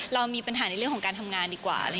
เรามีปัญหาในเรื่องของการทำงานดีกว่า